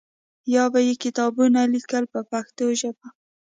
یا به یې کتابونه لیکل په پښتو ژبه.